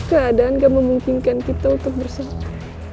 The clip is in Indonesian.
keadaan gak memungkinkan kita untuk bersemangat